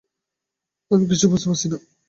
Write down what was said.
আমি কিছুই বুঝতে পারছি না।